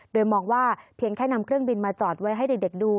โดยมองว่าเพียงแค่นำเครื่องบินมาจอดไว้ให้เด็กดู